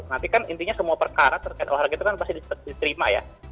nanti kan intinya semua perkara terkait olahraga itu kan pasti diterima ya